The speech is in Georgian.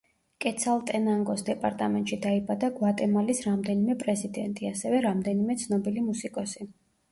კეცალტენანგოს დეპარტამენტში დაიბადა გვატემალის რამდენიმე პრეზიდენტი, ასევე რამდენიმე ცნობილი მუსიკოსი.